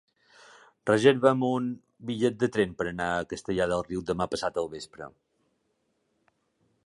Reserva'm un bitllet de tren per anar a Castellar del Riu demà passat al vespre.